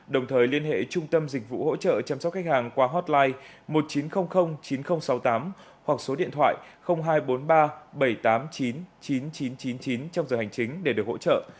đồng thời liên hệ trung tâm dịch vụ hỗ trợ chăm sóc khách hàng qua hotline một nghìn chín trăm linh chín nghìn sáu mươi tám hoặc số điện thoại hai trăm bốn mươi ba bảy trăm tám mươi chín chín nghìn chín trăm chín mươi chín trong giờ hành chính để được hỗ trợ